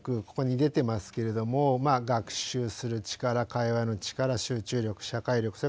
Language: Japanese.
ここに出てますけれども学習する力会話の力集中力社会力